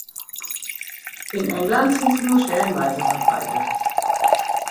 In England sind sie nur stellenweise verbreitet.